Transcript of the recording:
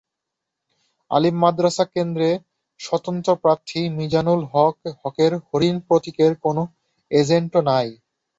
আলিম মাদ্রাসা কেন্দ্রে স্বতন্ত্র প্রার্থী মিজানুল হকের হরিণ প্রতীকের কোনো এজেন্টও নেই।